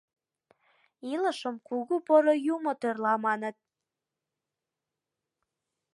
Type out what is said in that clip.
Илышым кугу поро юмо тӧрла, маныт.